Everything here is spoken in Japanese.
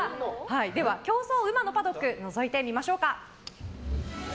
では、競争うまのパドックをのぞいてみましょうか。